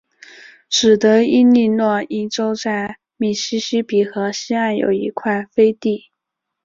使得伊利诺伊州在密西西比河西岸有一块飞地。